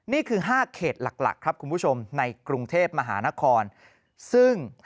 นี่คือ๕เขตหลักครับคุณผู้ชมในกรุงเทพมหานครซึ่ง